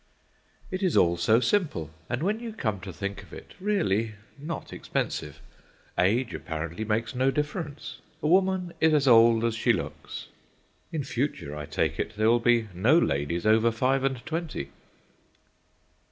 It is all so simple, and, when you come to think of it, really not expensive. Age, apparently, makes no difference. A woman is as old as she looks. In future, I take it, there will be no ladies over five and twenty.